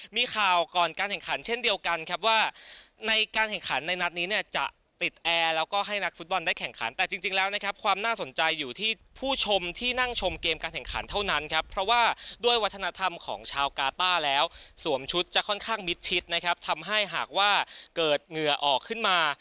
มีข่าวก่อนการแข่งขันเช่นเดียวกันครับว่าในการแข่งขันในนัดนี้เนี่ยจะติดแอร์แล้วก็ให้นักฟุตบอลได้แข่งขันแต่จริงแล้วนะครับความน่าสนใจอยู่ที่ผู้ชมที่นั่งชมเกมการแข่งขันเท่านั้นครับเพราะว่าด้วยวัฒนธรรมของชาวกาต้าแล้วสวมชุดจะค่อนข้างมิดชิดนะครับทำให้หากว่าเกิดเหงื่อออกขึ้นมา